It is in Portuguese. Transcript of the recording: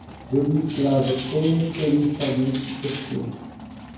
Dormir de lado, preferencialmente esquerdo